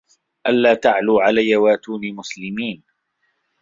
أَلّا تَعلوا عَلَيَّ وَأتوني مُسلِمينَ